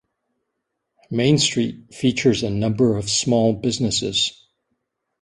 Main Street features a number of small businesses.